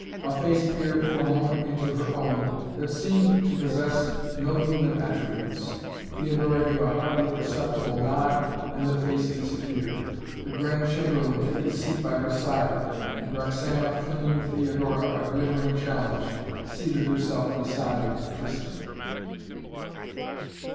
A face peered for a moment into her own, that seemed to possess no human attributes. Theodora gave a hardly perceptible nod and the face disappeared. The Grand Chamberlain took his seat by her side and Roxana flinging Theodora a glittering challenge seated herself beside Tristan.